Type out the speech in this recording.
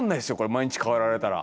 毎日変えられたら。